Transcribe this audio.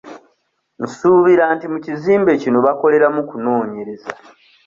Nsuubira nti mu kizimbe kino bakoleramu kunoonyereza.